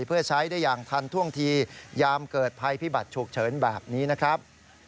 เพื่อใช้ได้อย่างทันท่วงทียามเกิดภัยพิบัติฉุกเฉินแบบนี้นะครับ